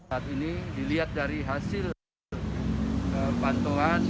saat ini dilihat dari hasil pantauan